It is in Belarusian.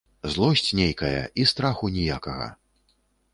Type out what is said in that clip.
Злосць нейкая і страху ніякага.